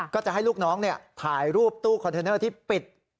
ก็จะให้ลูกน้องถ่ายรูปตู้คอนเทนเนอร์ที่ปิด